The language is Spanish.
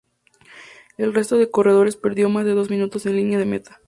El resto de corredores perdió más de dos minutos en línea de meta.